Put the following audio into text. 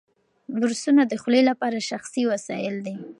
برسونه د خولې لپاره شخصي وسایل دي.